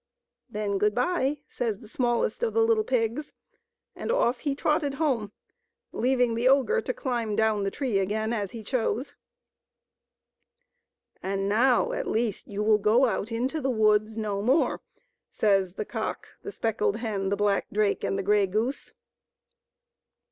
" Then good bye," says the smallest of the little pigs, and off he trotted home, leaving the ogre to climb down the tree again as he chose. " And now, at least, you will go out into the woods no more," says the cock, the speckled hen, the black drake, and the grey goose.